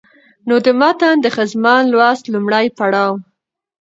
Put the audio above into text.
نو د متن د ښځمن لوست لومړى پړاو